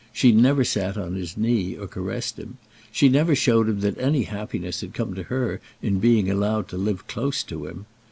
She never sat on his knee, or caressed him. She never showed him that any happiness had come to her in being allowed to live close to him.